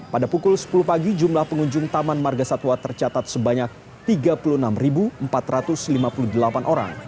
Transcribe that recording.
pada pukul sepuluh pagi jumlah pengunjung taman marga satwa tercatat sebanyak tiga puluh enam empat ratus lima puluh delapan orang